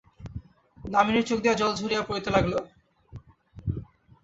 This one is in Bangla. দামিনীর চোখ দিয়া জল ঝরিয়া পড়িতে লাগিল।